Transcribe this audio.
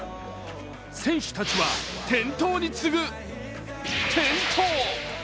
選手たちは転倒に次ぐ転倒。